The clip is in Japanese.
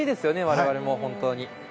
我々も、本当に。